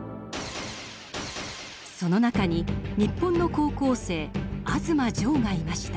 その中に日本の高校生東丈がいました。